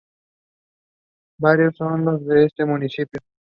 Varios son los de este municipio.